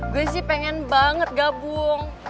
gue sih pengen banget gabung